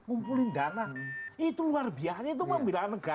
kumpulin dana itu luar biasa itu memang bela negara